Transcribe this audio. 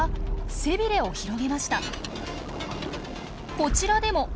こちらでも。